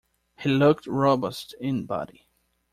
He looked robust in body.